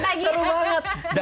jangan trauma ya